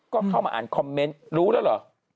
ก็เข้ามาอ่านคอมเมนต์รู้แล้วเหรอ